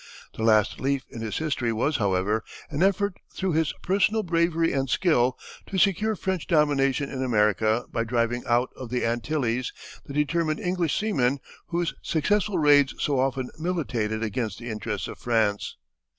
The last leaf in his history was, however, an effort, through his personal bravery and skill, to secure French domination in America by driving out of the Antilles the determined English seamen whose successful raids so often militated against the interests of France.